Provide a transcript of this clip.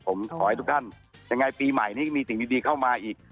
ผมขอให้ทุกท่านยังไงปีใหม่นี้ก็มีสิ่งดีเข้ามาอีก